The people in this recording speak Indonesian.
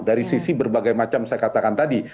dari sisi berbagai macam saya katakan tadi